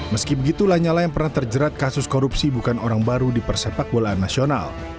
meski begitu lanyala yang pernah terjerat kasus korupsi bukan orang baru di persepak bolaan nasional